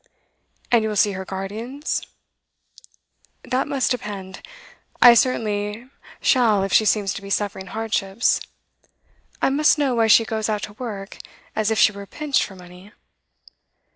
'And you will see her guardians?' 'That must depend. I certainly shall if she seems to be suffering hardships. I must know why she goes out to work, as if she were pinched for money.